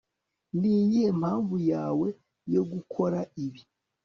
niyihe mpamvu yawe yo gukora ibi